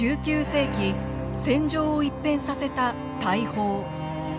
１９世紀戦場を一変させた大砲。